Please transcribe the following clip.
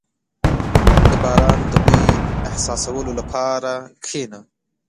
• د باران د بوی احساسولو لپاره کښېنه.